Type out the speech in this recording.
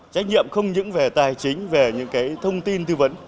trách nhiệm không những về tài chính về những thông tin thư vấn